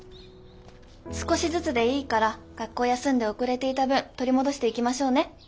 少しずつでいいから学校休んで遅れていた分取り戻していきましょうね。